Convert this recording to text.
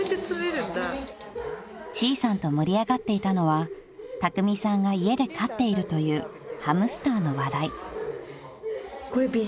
［ちーさんと盛り上がっていたのはたくみさんが家で飼っているというハムスターの話題］